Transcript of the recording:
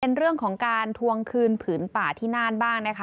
เป็นเรื่องของการทวงคืนผืนป่าที่น่านบ้างนะคะ